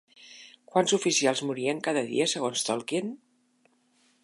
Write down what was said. Quants oficials morien cada dia segons Tolkien?